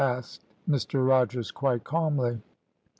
asked Mr Rogers quite calmly.